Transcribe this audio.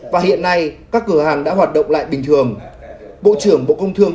và hiện nay các cửa hàng đã hoạt động lại bình thường bộ trưởng bộ công thương